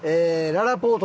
ららぽーと